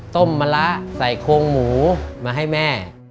ต้มมะระใส่โคงหมูมาให้แม่